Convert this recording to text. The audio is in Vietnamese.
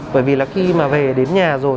bởi vì là khi mà về đến nhà rồi